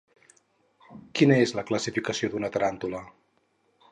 Quina és la classificació d'una taràntula?